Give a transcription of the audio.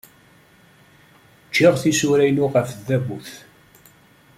Jjiɣ tisura-inu ɣef tdabut.